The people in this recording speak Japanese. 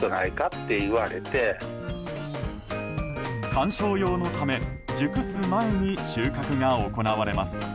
観賞用のため熟す前に収穫が行われます。